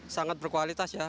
sangat berkualitas ya